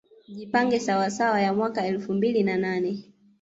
Jipange Sawasawa ya mwaka elfu mbili na nane